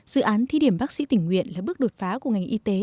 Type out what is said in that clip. dự án thi điểm bác sĩ tỉnh nguyện là bước đột phá của ngành y tế